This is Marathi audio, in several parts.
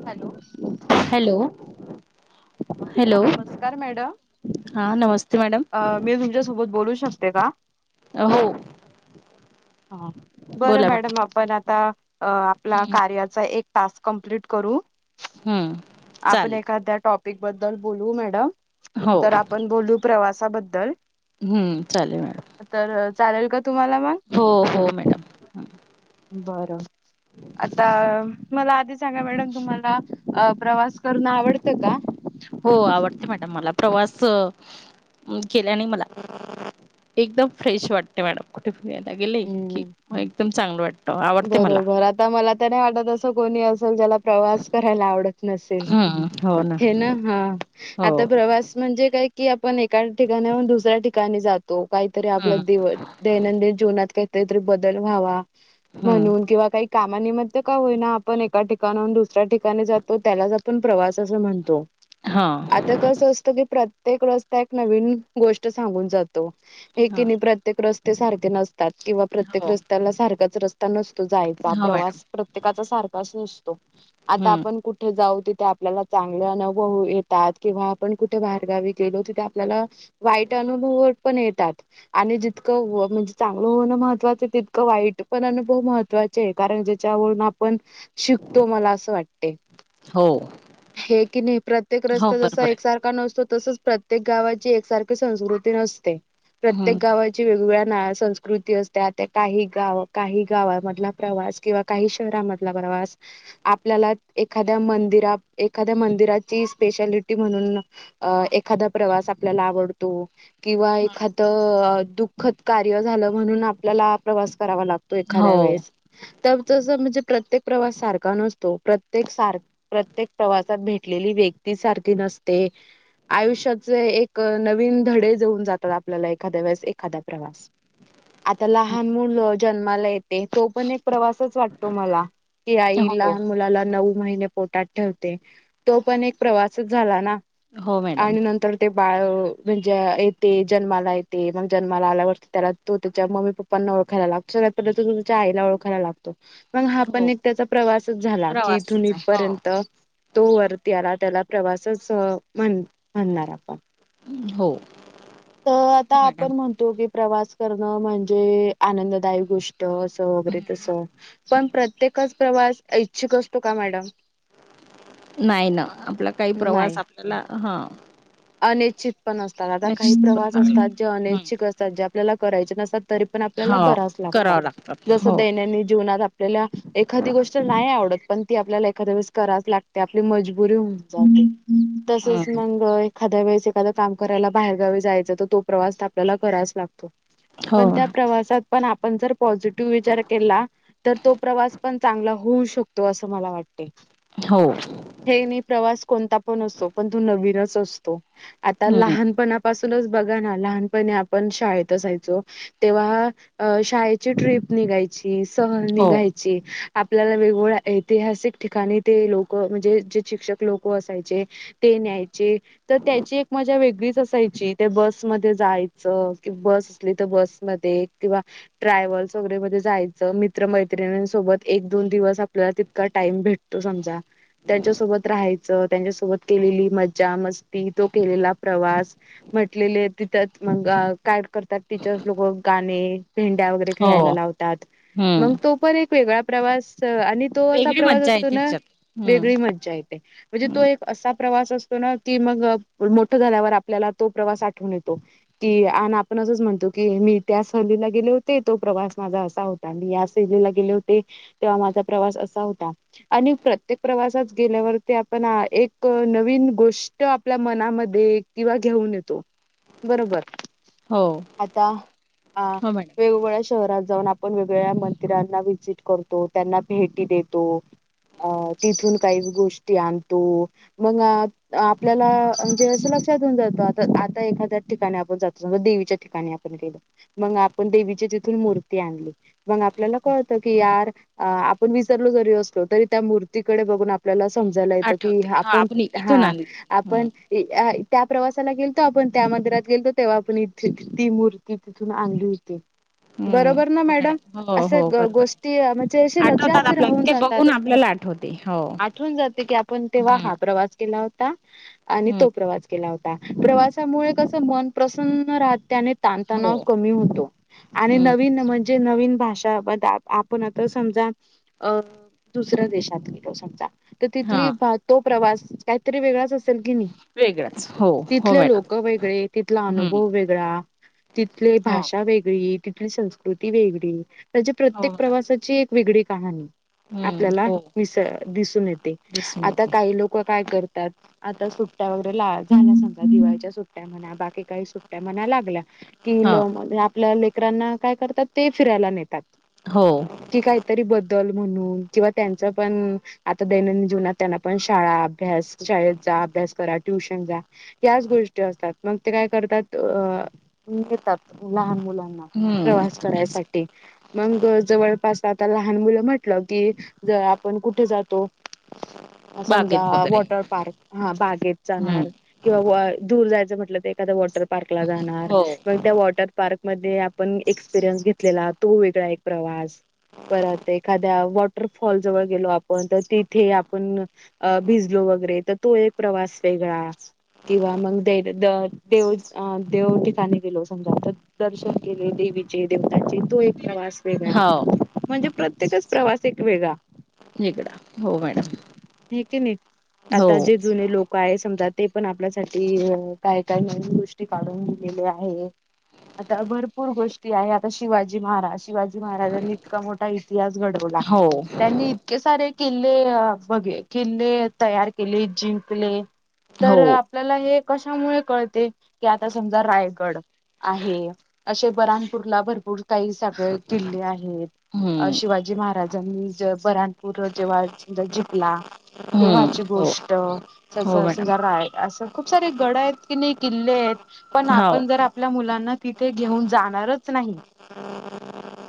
हॅलो.. हॅलो [inaudible] हा, [inaudible] हॅलो नमस्कार मॅडम हां नमस्ते मॅडम मी, तुमच्या सोबत बोलू शकते का? हो. [inaudible] ह बरं मॅडम आपण आता अ आपला हम्म कार्याचा एक, टास्क कम्प्लीट करू, हम्म आपण चालेल एखाद्या टॉपिक बद्दल बोलू मॅडम, हो तर, आपण बोलू प्रवासाबद्दल, हम्म चालेल मॅडम तर, चालेल का तुम्हाला मग? हो हो मॅडम, [inaudible] बरं, आता, मला, आधी सांगा. मॅडम. तुम्हाला प्रवास करण आवडतं का? हो, आवडते मॅडम मला प्रवास केलेने मला, [inaudible] एकदम फ्रेश वाटते, मॅडम कुठे फिरायला गेले, की हम्म एकदम चांगलं वाटत. बरोबर, आता मला त्या नाही वाटत, असं कोणी असेल ज्याला, प्रवास करायला आवडत नसेल, हम्म हो हे, ना, हा हो आता प्रवास म्हणजे काही, कि आपण एका ठिकाणी दुसऱ्या ठिकाणी जातो. काहीतरी हम्म आपलं दिव दैनंदिन जीवनात काही काही तरी बदल व्हावा हम्म म्हणून, किंवा, काही कामानिमित्त काय होईना, आपण एका ठिकानाहुन ठिकाणी जातो त्याला आपण प्रवास अस म्हणतो, हा आता कस असत की प्रत्येक रस्ता एक नवीन गोष्ट सांगून जातो, हा एकी प्रत्येक रस्ते सारखे नसत, किंवा प्रत्येक हो रस्त्याला सारखाच रस्ता नसतो, जायचा हो मॅडम प्रवास प्रत्येकाचा सारखाच नसतो, आता, हम्म आपण कुठे जाऊ, तिथे, आपल्याला चांगले अनुभव येतात, किंवा, आपण कुठे बाहेरगावी गेलो तिथे, आपल्याला वाईट अनुभव ण येतात आणि जितकं म्हणजे चांगलं होणं महत्वाचं, तितकं वाईट पण अनुभव मह महवाचे, कारण, ज्याच्यावरून आपण शिकतो मला असं वाटते. हो. हे, की नाही प्रत्येक हो रस्ता जसा बरोबर आहे एकसारखा नसतो, तसच प्रत्येक गावाची एकसारखी संस्कृती नसते. हम्म प्रत्येक गावाची वेगवेगळ्या संस्कृती असते. त्या काही गाव, काही गावामधला प्रवास, किंवा काही शहरामधला प्रवा प्रवास आपल्याला एखाद्या मंदिरा एखाद्या मंदिराची स्पेशालिटी म्हणून अ एखादा प्रवास आपल्याला आवडतो. किंवा हम्म एखादं दुःखद कार्य झालं, म्हणून आपल्याला प्रवास करावा लागतो. तो हो एखाद्या वेळेस तर, जस म्हणजे प्रत्येक प्रवास सारखा नसतो. प्रत्येक, सार प्रत्येक प्रवासात भेटलेली व्यक्ती सारखी नसते. आयुष्याचे एक नवीन धडे देऊन जातात. आपल्याला एखाद्या वेळेस एखादा्या प्रवास, आता लहान हम्म मुल जन्माला येते. तो पण एक प्रवासच वाटतो मला, की आई हो लहान हो मुलाला नऊ महिने पोटात ठेवते. तो पण एक प्रवासच झाला ना? हो मॅडम. आणि नंतर ते बाळ म्हणजे येते. जन्माला येते. मग जन्माला आल्यावरटते, त्याला तो त्याच्या मम्मी पप्पना, ओळखायला लागतो. पण तुमच्या आईला ओळखला लागतो. हा हो पण एक त्याचा प्रवास, झाला. की इथून प्रवासच आहे हो. इथपर्यंत, वरतीला त्याला प्रवासच म्हण म्हणणार आपण. हो. तर आता हो मॅडम. आपण म्हणतो, की प्रवास, अन म्हणजे, आनंददायक गोष्ट असं वगैरे, तसं, पण, प्रत्येक, इच्छुक असतो का मॅडम. नाही ना आपला काही प्रवास आपल्याला हा अनिच्छित पण असतात, आता काही निश्चित पण प्रवास करायला असतात जे लागतो. हम्म अनिच्छित असतात, जे आपल्याला करायचे नसतात. तरी पण आपल्याला हो कराच लागत करावं लागतात जस हो दैननी जीवनात आपल्याला एखादी गोष्ट नाही आवडत, पण ती आपल्याला एखाद्या वेळेस करायच लागते आपली मजबुरी होऊन जाते. ह् तसच हम्म. मगय, एखाद्य वेळेस एखादा काम करायला बाहेरगावी जायचं तर तो प्रवास आपल्याला करायच लागतो. हो पण त्या प्रवासात पण आप पण जर पॉझिटिव्ह विचार केला, तर तो प्रवास पण चांगला होऊ शकतो असं मला वाटते. हो. हे नी प्रवास कोणता पण असो, पण तू नवीनच असतो. आता हम्म लहानपणापासू तुनच बघा ना लहानीपणी आपण शाळेत असायचो, तेव्हा अ शाळेची ट्रिप नी निघायची, सहल हो निघायची. आपल्याला वेगवेगळ्या ऐतिहासिक ठिकाणी ते लोक म्हणजे जे शिक्षक लोक असायचे ते ये न्यायचे. त त्याची एक मजा वेगळीच असायची, ते बसमध्ये जायचं कि बस असली तर बस मदे [unintelligible] किंवा ट्रॅव्हल्स वगेरे मध्ये जायच, मित्र मैत्रिणीन सोबत एक दोन दिवस आपल्याला ती का टाइम भेटतो समजा, त्यांच्यासोबत राहायच, त्यांच्यासोबत केलेली मज्जा मस ती तो केलेला प्रवास, म्हटलेले तिथच मंग का [unintelligible] करतात तिथेच लोक गा [unintelligible] ने भेंड्या वगैरे हो खेळायला लावतात, मंग हम्म तो पण एक वेगळा प्रवास आणि तो असा वेगळी प्रवास मज्जा आहे असतो ना, त्याच्यात. हम्म वेगळी मज्जा येते, म्हणजे तो हम्म एक असा प्रवास असतो ना- मोठ झाल्यावर आपल्याला तो प्रवास आठवून येतो कि आपण अस म्हणतो की मी त्या सहलीला गेले होते. तो प्रवास माझा असा होता. मी ह्या सहलीला गेले होते तेव्हा माझा प्रवास अ असा होता आणि प्रत्येक प्रवासात गेल्यावरती आपण एक नवीन गोष्ट, तो आपल्या मनामध्ये किंवा घेऊन येतो. बरोबर, हो. आता अ हो मॅडम वेगवेगळ्या शहरात जाऊन आप आपण वेगवेगळ्या मंदिरांना व्हीजिट करतो त्यांना भेटी देतो. अ तिथून काही गोष्टी आणतो. मग, आपल्याला म्हणजे असं लक्षात येऊन जात. आता आता एखाद्याच ठिकाणी आपण जातो. समजा, देवीच्या ठिकाणी आपण गेलो. मग आपण देवी ची जिथून मूर्ती आणली. मग आपल्याला कळत की यार आपण वी विसरलो जरी असलो तरी त्या मूर्तीकडे बघूण आपल्याला समजायला येत कि, आठवते हा आपण इथून हा आणली हम्म. आपण हि ज्या त्या त्या प्रवासाला गेलतो. आपण त्या मंदिरात गेलतो. तेव्हा आपण इथे ती मूर्ती तिथून आणली होती. हम्म बरोबर ना हो मॅडम, हो अस हो बरोबर आहे. गोष्टी म्हणजे आठवतात लक्षात आपल्याला राहून ते जातात. बघून आपल्याला आठवते हो. आठून करतेय की आपण तेव्हा हम्म हा प्रवास केला हो आणि हम्म तो प्रवास केला होता. असा होता. प्रवासामुळे कस मन प्रसन्न राहत आणि ताणतणाव हो. कमी होतो आणि हम्म, नवीन म्हणजे नवीन भाषा आपण आता समजा. अ दुसऱ्या देशात गेलो. समजा, तर तिथली हां, तो प्रवास काहीतरी वेगळाच असेल की नाही. वेगळंच, तिथले लोक वेगळे, तिथला हं, अनुभव वेगळा, तिथली हो, भाषा वेगळी, तिथली संस्कृती वेगळी त्याची हो प्रत्येक मॅडम. प्रवासाची एक वेगळी कहाणी. हं, आपल्याला हो विस दिसून येते. दिसून आता येते. काही लोक काय करतात. आता सुट्टया वगैरे ला झाल्या समजा. दिवाळीच्या सुट्टया म्हणा, बाकी काही सुट्टया म्हणा लागल्या. किल हां, आपल्या लेकरांना काय करतात ते फिरायला नेतात. हो. कि काहीतरी बदल? दल म्हणून किंवा त्यांचा पण आता दैनंदिन जीवनात त्यांना पण शाळा अभ्यास शाळेत चा अभ्यास करा. ट्युशन चा याच गोष्टी असतात. मग ते काय करतात अ लहान मुलांना हं, प्रवास थोडंच करायसाठी. मंग जवळपास आता लहान मुलं म्हटलं की, ज आपण कुठे जातो? समजा बागेत वगैरे. वॉटर पार्क, हा बागेत हं, जाणार किवा [unintelligible] दूर जायचं म्हटलं त एखाद्या वॉटर पार्कला जाणार, हो, मंग त्या वॉटरपार्क मध्ये आपण एक्सपिरियन्स घेतलेला, तो वेगळा एक प्रवास परत एखाद्या वॉटरफॉल जवळ गेलो आपण तर तिथे आपण अ भिजलो. वगैरे त तो एक प्रवास वेगळा किंवा मग दे द देव अ देव ठिकाणी गेलो समजा तर दर्शन केले देवि [unintelligible] ची देवताची तो एक प्रवास वेगळा हो म्हणजे प्रत्येकच प्रवास एक वेगळा [unintelligible] हो मॅडम हे की नाही हो आता जे जुने लोक काय समजा ते पण आपल्यासाठी काय काय नवीन गोष्टी काढून दिलेले आहे. आता भरपूर गोष्टी आहे, आता शिवाजी महाराज शिवाजी महाराजांनी इतका मोठा इतिहास घडवला हो, त्यांनी इतके सारे किल्ले बगी किल्ले तयार केली जिंकले हो. तर आपल्याला हे कशामुळे कळते की आता समजा रायगड आहे असे बराणपूरला भर पूर काही [unintelligible] किल्ले आहेत. अ हं, शिवाजी महाराजांनी ज बराणपूर [unintelligible] जिकला तेव्हा हं, ची हो, गोष्ट हो मॅडम. [unintelligible] रा असं खूप सारे गड आहेत किनय किल्ले आहेत. पण हो, आपण जर आपल्या मुलांना तिथे घेऊन जाणारच नाही.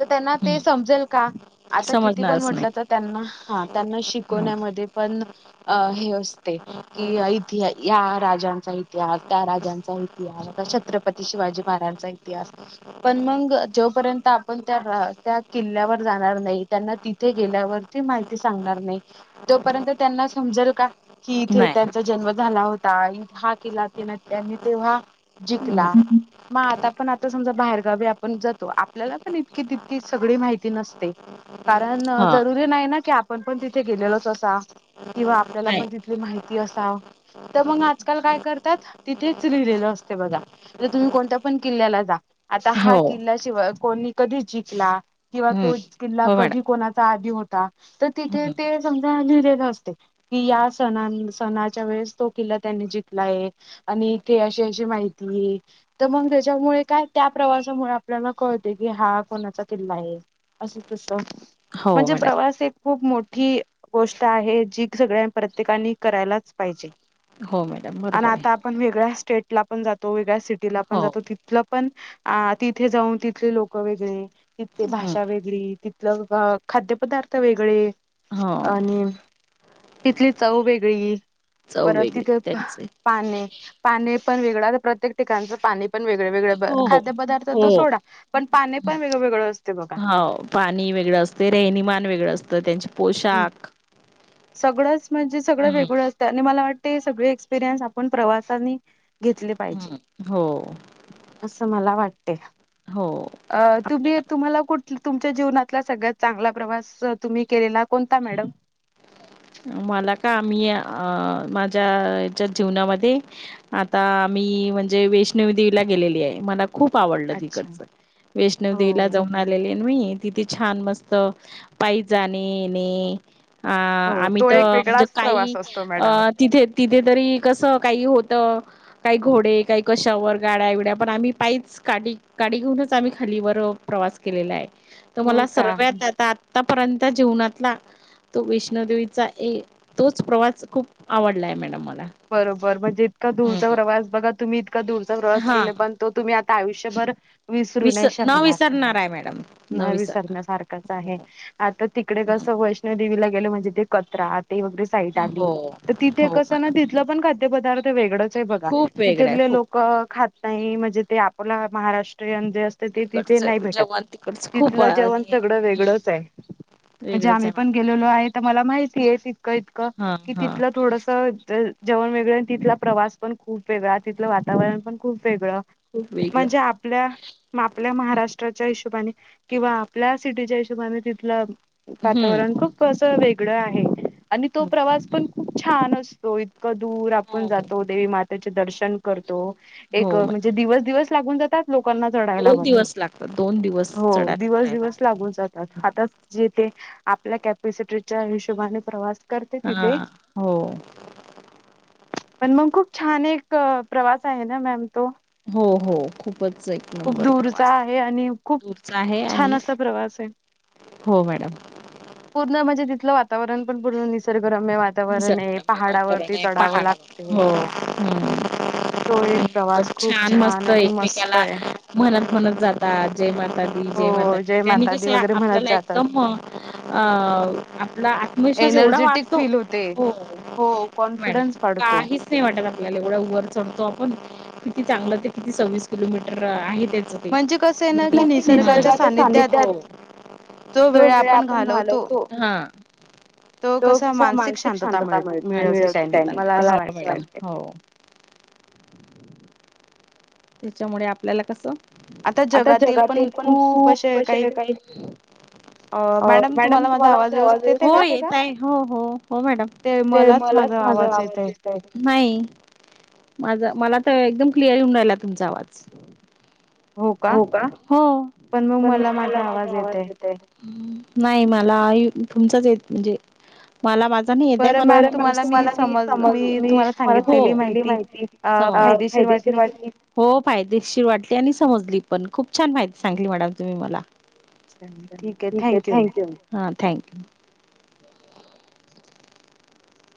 त त्यांना ते हं. समजेल का? आता किती पण समजणारच नाही. म्हटलं तर त्यांना हा त्यांना हं, शिकवण्यामध्ये पण अ हे असते कि इतिहा, या राजांचा इतिहास, त्या राजांचा इतिहास छत्रपती शिवाजी महाराजांचा इतिहास, पण मंग जो पर्यंत त्या आपण त्या रा त्या किल् किल्ल्यावर जाणार नाही, त्यांना तिथं गेल्या वर ती माहिती सांगणार नाही तोपर्यंत त्यांना समजल का? कि इथे नाही. त्यांचा जन्म झाला होता इत हा किल्ला तिन त्यांनी तेव्हा हं, जीकला, म आता पण आता सम समजा बाहेरगावी आपण जातो, आपल्याला पण इतकी तितकी सगळी माहिती नसते. कारण हां, जरुरी नाही ना की आपण पण तिथे गेलेलोच असा किंवा आपल्याला नाही. पण तिथली माहिती असा, त मंग आजकाल काय करतात, तिथेच लिहिलेलं अस असते बघा, [unintelligible] तुम्ही कोणत्या पण किल्ल्याला जा आता हो, हा किल्ला शिवा अ कोणी, कधी जिकला, किंवा हं. तो किल्ला हो मॅडम. कधी कोणाचा त आधी होता, तर तिथे हं, ते समजा लिहिलेलं अस ते कि या सनान सणाच्या वेळेस तो किल्ला त्यांनी जिकला आहे आणि इथे अशे अशे माहिती ये त मंग त्याच्यामुळे काय, त्या प्रवासामुळे आपल्याला कळते हा कोणाचा किल्ला ला आहे अस तस, हो म्हणजे मॅडम. प्रवास एक खूप मोठी गोष्ट आहे. जी सगळ्या प्रत्येकानी करायलाच पाहिजे हो मॅडम, आन बरोबर आहे. आता आपण वेगळ्या [unintelligible] स्टेटला पण जातो, वेगळ्या सिटीला पण हो, जातो, तिथलं पण तिथे जाऊन तिथले लोक वेगळे तिथली हं. भाषा वेगळी तिथलं. खाद्यपदार्थ वेगळे हो आणि तिथली चव वेगळी चव परत वेगळी तिथे त्यांचे पाने पाणी पण वेगळां प्रत्येक ठिकाणच पाणी पण वेग. वेगवेगळे हो खाद्य पदारथ तर हो. सोडा पण पाणी हं, पण वेगवेगळं असत. हो पाणी वेगळं असते रेहनीमान वेगळं असतं त्यांचे पोशाख सगळंच म्हणजे सगळं हम्म वेगळं असत आणि मला वाटत सगळे एक्सपिरियन्स आपण प्रवा घेतले पाहिजे. हम्म. हो. असं मला वाटते. हो. अ तुम्ही आपल्याला तुम्हाला कुठ तुमच्या जीवनातला सगळ्यात चांगला प्रवास तुम्ही केलेला कोणता मॅडम मला का आम्ही माझ्या याच्यात जीवनामध्ये आता आम्ही म्हणजे वैष्णवी देवीला गेलेली आहे मला खूप आवडलं अच्छा तिकडच वैष्णव देवी हो जाऊन आलेले. मी तिथे छान मस्त पाय जाणे येणे अ हो आम्ही. तो एक तर म्हणजे वेगळाच काही प्रवास असतो मॅडम अ तिथे. तिथे तरी कसं काही होत काही घोडे काही कशावर गाड्या बिड्या पण आम्ही पायीच. गाडी गाडी घेऊनच आम्ही खाली वर प्रवास केलेला आहे. हो तुम्हाला का सर्वत आता आतापर्यंत जीवनातला तो वैष्णोदेवीचा. ए तोच प्रवास खूप आवडला आहे मॅडम मला. बरोबर, म्हणजे इतका दूरचा हम्म प्रवास बघा तुम्ही इतका दूरचा प्रवास हा केला पण तो तुम्ही आ. आयुष्यभर विसरू विस नाही न शकणार. विसरणार आहे मॅडम. न नाही विसरणार. विसरण्यासारखाच आहे हो. आता तिकडे हम्म. कस वैष्णोदेवीला गेली म्हणजे, ते कचरा ते वगैरे साईड आली हो तर तिथे हो कस ना. मॅडम ते पदार्थ वेगळाच आहे बघा खूप वेगळं आहे तितली खूप. लोक खात नाही. म्हणजे ते आपला महाराष्ट्रीयन. ते असतं ते तिथे नाही तिकडचं भेटत जेवण तिकडचं खूप तिथलं जेवण आणि सगळं हम्म. वेगळंच आहे. म्हणजे वेगळंच आम्ही आहे पण मॅडम. गेलेलो हो आहे तर मला माहित. [unintelligible] ततकं इतकं हा कि हा. तिथलं थोडस जेवण वेगळं तिथला प्रवास पण खूप. वेगळ तिथलं वातावरण पण खूप वेगळं खूप वेगळं. म्हणजे, आपल्या आपल्या महाराष्ट्रात. हिशोबाने किंवा आपल्या सिटीच्या हिशोबाने तिथल हम्म वातावरण खूप अस वेग हेकड आहे आणि तो हम्म. प्रवास पणप छान असतो. इतकं दूर हो आपण जातो देवी मातेचे दर्शन करतो एक हो मॅडम म्हणजे दिवस दिवस. लागून जातात. लोकांना चडायला दोन वर दिवस लागतात दोन दिवस हो चढायला दिवस उतरायला दिवस मॅडम. लागून जातात हातात जे ते. आपल्या कॅपसिटीच्या हिशोबाने प्रवास. करते हा तिथे हो. पण मग खूप छान एक प्रवास आहे ना मॅम तो. हो हो खूपच एक खूप नंबर दूरचा प्रवास आहे आणि खूप दूरचा आहे आणि. छान असा प्रवास आहे हो मॅडम. पूर्ण म्हणजे तिथलं वातावरण पण पूर्ण निसर्गरम्य वातावरण आहे पहाडावर. ये पहाड हो हो. तो एक प्रवास खूप छान मस्त आणि मस्त एकमेकला आहे म्हणत म्हणत जाता जे मग, दे जय माता हो दे जय त्यांनी कस मातादी वगैरे म्हणत आपल्याला जातात एकदम अ आपला आत्मविष. एनर्जेटिक फील होते हो हो कॉन्फिडन्स मॅडम वाढतो काहीच नाही वाटत आपल्याला एवढ्या वर चढतो आपण. किती चांगलं ते किती सव्वीस किलोमीटर आहेत. तेच ते म्हणजे कसं आहे ना की निसर्गाच्या सानिध्यात. तो वेळ आपण घालवतो. तो कसा. मानसिक शांतताळ मिळवते त्यांनी मला असं वाटते.. त्याच्यामुळे आपल्याला कसं. आता जगातील पण खूप असशे काही, अ मॅडम तुम्हाला माझा आवाज येतोय का हो येताय हो हो मॅड ते मला. माझा आवाज येत आहे? नाही माझ मला तर एकदम क्लिअर येऊन राहिला तुमचा आवाज. हो का? हो! पण मग मला माझा आवाज येत आहे. नाही मला तुमचच येत म्हणजे मला माझा. पण येताय पण तुला मी समजला मी तुम्हाला सांगितले माहिती हो समजला. फायदेशीर वाटली हो फायदेशीर वाटली आणि समजली पण खूप छान माहिती सांगली मॅडम तुम्ही मला. ठीक आहे थँक्यू हां थँक्यू.